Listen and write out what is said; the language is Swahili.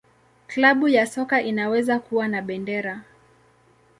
Klabu ya soka inaweza kuwa na bendera.